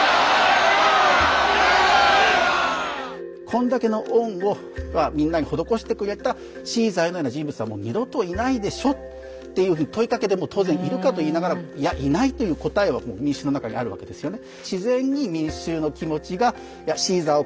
こんだけの恩をみんなに施してくれたシーザーのような人物はもう二度といないでしょっていうふうに問いかけでもう当然いるかといいながらいやいないという答えはもう民衆の中にあるわけですよね。